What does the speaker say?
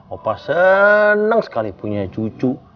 opa senang sekali punya cucu